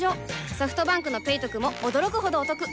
ソフトバンクの「ペイトク」も驚くほどおトク